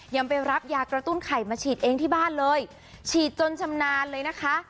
ยังไปรับยากระตุ้นไข่มาฉีดเองที่บ้านเลยฉีดจนชำนาญเลยนะคะ